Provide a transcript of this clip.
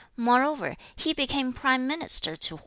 Moreover, he became prime minister to Hwan.'